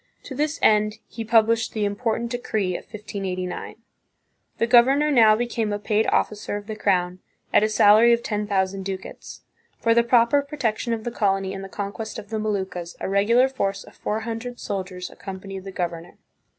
To this end he published the im portant decree of 1589. The governor now became a paid officer of the crown, at a salary of ten thousand ducats. For the proper protection of the colony and the conquest of the Moluccas, a regular force of four hundred soldiers ac companied the governor.